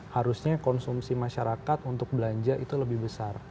harusnya konsumsi masyarakat untuk belanja itu lebih besar